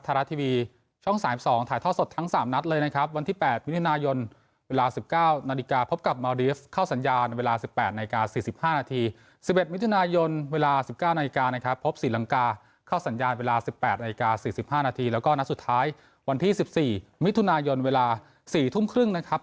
พบสิรังกาเข้าสัญญาณเวลา๑๘นาฬิกา๔๕นาทีแล้วก็นัดสุดท้ายวันที่๑๔มิถุนายนเวลา๔ทุ่มครึ่งนะครับ